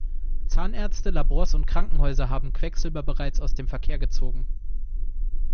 Zahnärzte, Labors und Krankenhäuser haben Quecksilber bereits aus dem Verkehr gezogen.